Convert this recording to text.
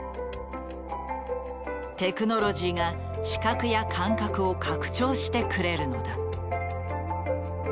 テクノロジーが知覚や感覚を拡張してくれるのだ。